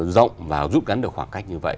rộng và rút ngắn được khoảng cách như vậy